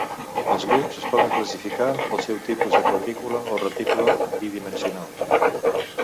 Els grups es poden classificar pel seu tipus de quadrícula o retícula bidimensional.